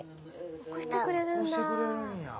起こしてくれるんや。